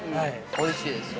◆おいしいですよ。